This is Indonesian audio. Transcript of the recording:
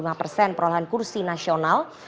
dan presiden jokowi sampai mengeluarkan pernyataan bahwa